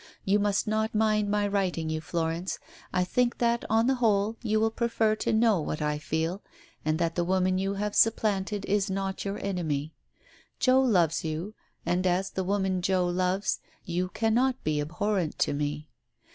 You must not mind my writing to you, Florence. I think that, on the whole, you will prefer to know what I feel, and that the woman you have supplanted is not your enemy. Joe loves you, and as the woman Joe loves, you cannot be abhorrent to me.